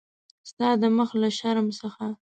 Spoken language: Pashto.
ستا د مخ له شرم څخه.